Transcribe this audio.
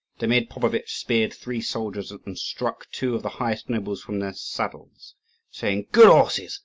Demid Popovitch speared three soldiers, and struck two of the highest nobles from their saddles, saying, "Good horses!